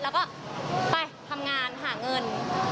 แล้วก็ไปทำงานหาเงิน